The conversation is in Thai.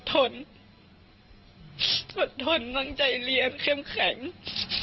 ต่างฝั่งในบอสคนขีดบิ๊กไบท์